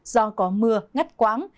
do có mưa ngắt quáng